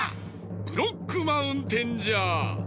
ブロックマウンテンじゃ！